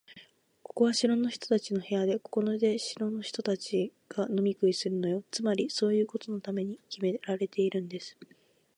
ここは城の人たちの部屋で、ここで城の人たちが飲み食いするのよ。つまり、そういうことのためにきめられているんです。